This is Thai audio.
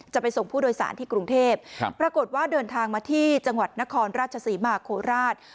จะไปส่งผู้โดยสารที่กรุงเทพปรากฏว่าเดินทางมาที่จังหวัดนครราชศรีมาโคราช